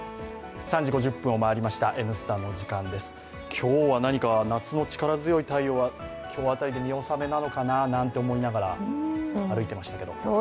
今日は何か夏の力強い太陽は今日辺りで見納めなのかななんて思いながら歩いていましたけれども。